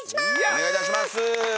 お願いいたします。